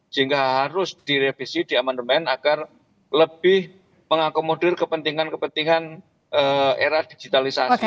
sehingga harus direvisi di amandemen agar lebih mengakomodir kepentingan kepentingan era digitalisasi